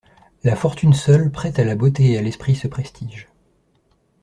La fortune seule prête à la beauté et à l'esprit ce prestige.